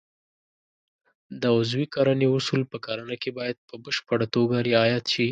د عضوي کرنې اصول په کرنه کې باید په بشپړه توګه رعایت شي.